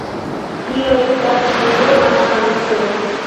Tio estas enorma ŝanco.